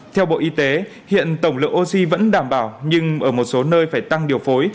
theo bộ y tế hiện tổng lượng oxy vẫn đảm bảo nhưng ở một số nơi phải tăng điều phối